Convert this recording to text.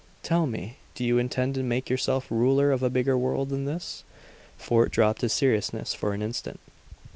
Tell me do you intend to make yourself ruler of a bigger world than this?" Fort dropped his seriousness for an instant.